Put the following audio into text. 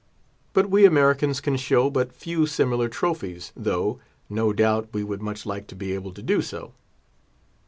But we Americans can show but few similar trophies, though, no doubt, we would much like to be able so to do.